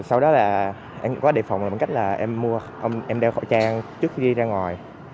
sau đó là em có để phòng bằng cách là em đeo khẩu trang trước khi đi ra ngồi